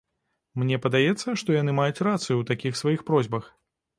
Мне падаецца, што яны маюць рацыю ў такіх сваіх просьбах.